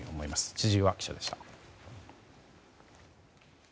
千々岩記者でした。